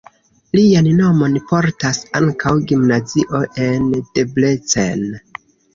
Lian nomon portas ankaŭ gimnazio en Debrecen.